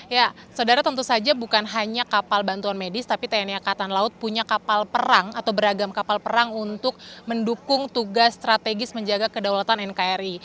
ya saudara tentu saja bukan hanya kapal bantuan medis tapi tni angkatan laut punya kapal perang atau beragam kapal perang untuk mendukung tugas strategis menjaga kedaulatan nkri